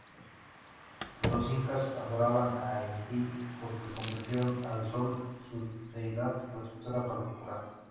Los incas adoraban a Inti porque Convirtieron al sol su deidad protectora particular.